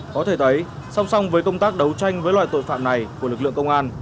có thể thấy song song với công tác đấu tranh với loại tội phạm này của lực lượng công an